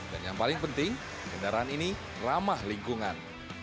dan yang paling penting kendaraan ini ramah lingkungan